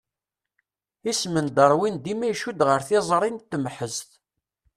Isem n Darwin dima icudd ɣer tiẓri n temhezt.